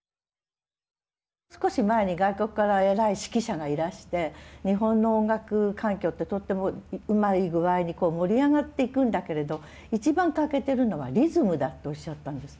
少し前に外国から偉い指揮者がいらして日本の音楽環境ってとってもうまい具合にこう盛り上がっていくんだけれど一番欠けてるのはリズムだっておっしゃったんですって。